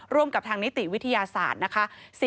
กับทางนิติวิทยาศาสตร์นะคะ